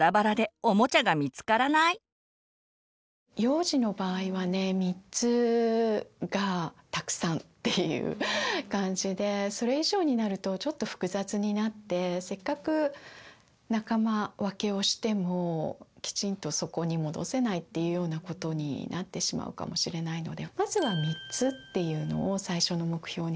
幼児の場合はね３つがたくさんっていう感じでそれ以上になるとちょっと複雑になってせっかく仲間分けをしてもきちんとそこに戻せないっていうようなことになってしまうかもしれないのでまずはこれとこれとこれ。